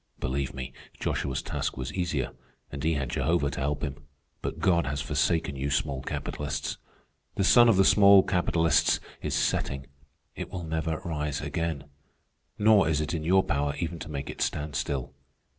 Believe me, Joshua's task was easier, and he had Jehovah to help him. But God has forsaken you small capitalists. The sun of the small capitalists is setting. It will never rise again. Nor is it in your power even to make it stand still.